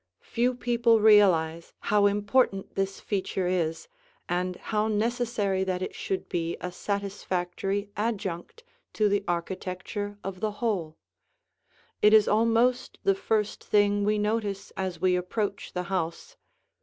Few people realize how important this feature is and how necessary that it should be a satisfactory adjunct to the architecture of the whole. It is almost the first thing we notice as we approach the house.